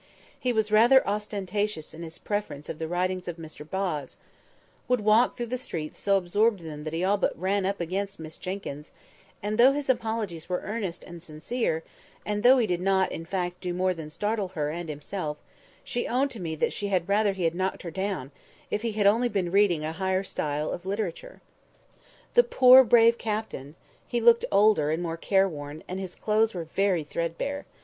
He was rather ostentatious in his preference of the writings of Mr Boz; would walk through the streets so absorbed in them that he all but ran against Miss Jenkyns; and though his apologies were earnest and sincere, and though he did not, in fact, do more than startle her and himself, she owned to me she had rather he had knocked her down, if he had only been reading a higher style of literature. The poor, brave Captain! he looked older, and more worn, and his clothes were very threadbare.